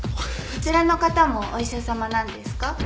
こちらの方もお医者さまなんですか？